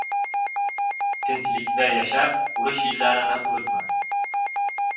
• Tinchlikda yashab urush yillarini unutma.